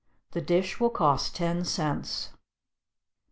The dish will cost ten cents.